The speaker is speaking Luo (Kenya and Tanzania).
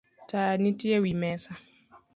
Taya nitie ewi mesa